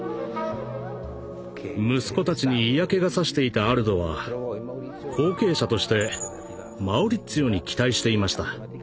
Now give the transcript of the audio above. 息子たちに嫌気が差していたアルドは後継者としてマウリッツィオに期待していました。